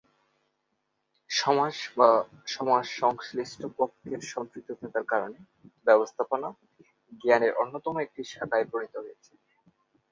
সমাজ বা সমাজ সংশ্লিষ্ট পক্ষের সম্পৃক্ততার কারনে 'ব্যবস্থাপনা' জ্ঞানের অন্যতম একটি শাখায় পরিণত হয়েছে।